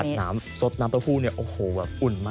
น้ำซดน้ำเต้าหู้เนี่ยโอ้โหแบบอุ่นมาก